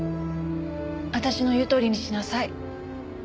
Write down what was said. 私の言うとおりにしなさい。